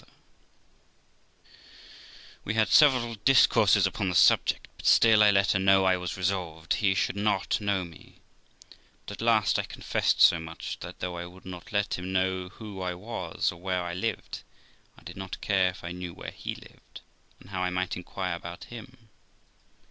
THE LIFE OF ROXANA We had several discourses upon the subject, but still I let her know I was resolved he should not know me; but at last I confessed so much, that though I would not let him know who I was or where I lived, I did not care if I knew where he lived, and how I might inquire about him.